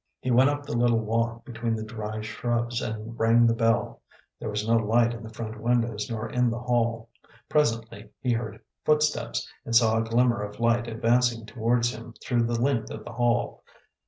He went up the little walk between the dry shrubs and rang the bell. There was no light in the front windows nor in the hall. Presently he heard footsteps, and saw a glimmer of light advancing towards him through the length of the hall.